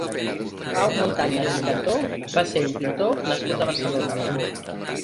Pau Montaña i Cantó va ser un pintor nascut a Barcelona.